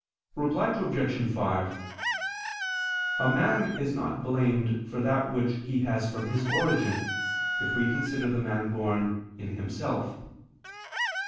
Reply Obj. 5: A man is not blamed for that which he has from his origin, if we consider the man born, in himself.